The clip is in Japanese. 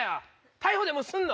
逮捕でもすんの？